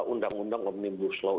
undang undang omnibus law